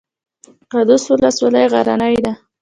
قادس ولسوالۍ غرنۍ ده؟